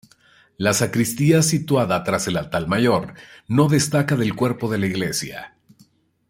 La sacristía, situada tras el altar mayor, no destaca del cuerpo de la iglesia.